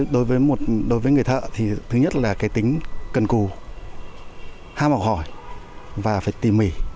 đối với người thợ thứ nhất là tính cần cù ham học hỏi và phải tỉ mỉ